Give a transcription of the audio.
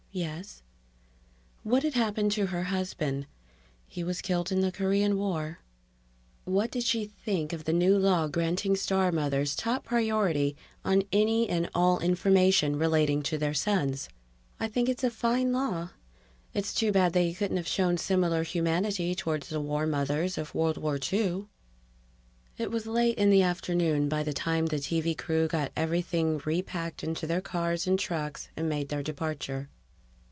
("Yes.") What had happened to her husband? ("He was killed in the Korean War.") What did she think of the new law granting star mothers top priority on any and all information relating to their sons? ("I think it's a fine law ... It's too bad they couldn't have shown similar humanity toward the war mothers of World War II.") It was late in the afternoon by the time the TV crew got everything repacked into their cars and trucks and made their departure.